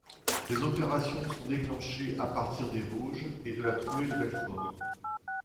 Les opérations sont déclenchées à partir des Vosges et de la Trouée de Belfort.